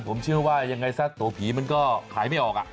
ผมเชื่อว่ายังไงซะตัวผีมันก็ขายไม่ออก